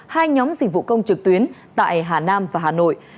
hai nhóm dịch vụ công trực tuyến tại hà nam và hà nội